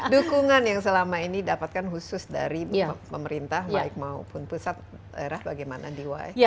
dukungan yang selama ini dapatkan khusus dari pemerintah maupun pusat daerah bagaimana di wai